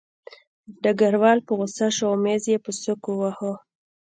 ډګروال په غوسه شو او مېز یې په سوک وواهه